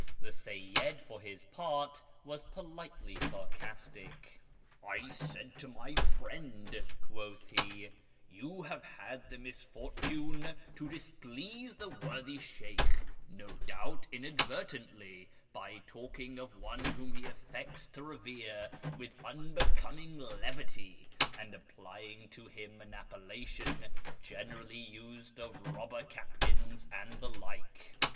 The Seyyid for his part was politely sarcastic. " I said to my friend," quoth he, "' You have had the mis fortune to displease the worthy Sheykh, no doubt inadvertently, by talking of one whom he affects to revere with unbecoming levity, and applying to him an appellation generally used of robber captains and the like.